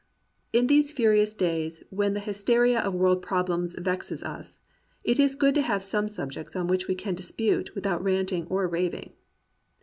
In these furious days when the hysteria of world problems vexes us, it is good to have some subjects on which we can dis pute without ranting or ra\'ing.